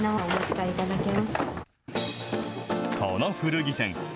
この古着店。